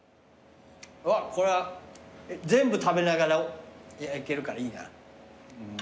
うわこれは全部食べながらいけるからいいな。